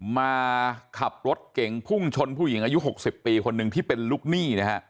มาขับรถเก่งพุ่งชนผู้หญิงอายุ๖๐ปีคนหนึ่งที่เป็นลูกหนี้นะฮะ